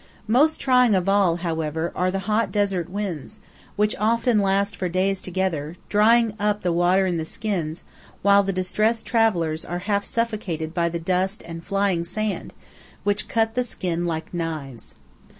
Most trying of all, however, are the hot desert winds, which often last for days together, drying up the water in the skins, while the distressed travellers are half suffocated by the dust and flying sand which cut the skin like knives.